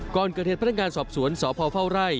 ก่อนเกิดเหตุพนักงานสอบสวนสพเฝ้าไร่